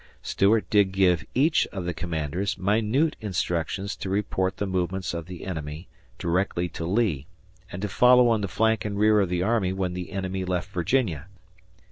Stuart did give each of the commanders minute instructions to report the movements of the enemy directly to Lee, and to follow on the flank and rear of the army when the enemy left Virginia.